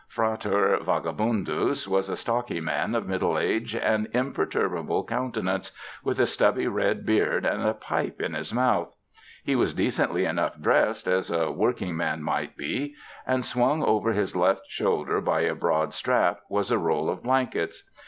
Frater Vagabundus was a stocky man of middle age and imperturbable coun tenance, with a stubby red beard and a pipe in his mouth. He was decently enough dressed, as a work ing man might be, and swung over his left shoulder by a broad strap was a roll of blankets.